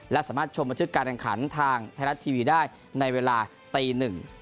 และสามารถชมบันทึกการแข่งขันทางไทยรัฐทีวีได้ในเวลาตีหนึ่ง